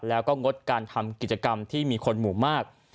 แล้วก็งดการทำกิจกรรมที่มีคนหมู่มาก